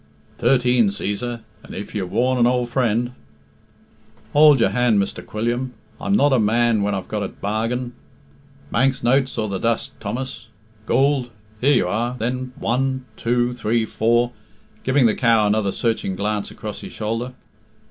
"Thirteen, Cæsar; and if you warn an ould friend " "Hould your hand, Mr. Quilliam; I'm not a man when I've got a bargain.... Manx notes or the dust, Thomas? Goold? Here you are, then one two three four..." (giving the cow another searching glance across his shoulder).